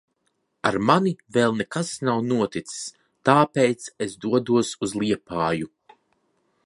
Ar mani vēl nekas nav noticis. Tāpēc es dodos uz Liepāju.